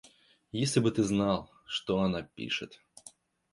Если бы ты знал, что она пишет!